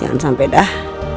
jangan sampai dah